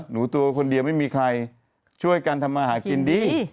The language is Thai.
ตัวคนเดียวไม่มีใครช่วยกันทำมาหากินดี